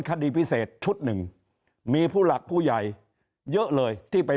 คดีพิเศษชุดหนึ่งมีผู้หลักผู้ใหญ่เยอะเลยที่ไป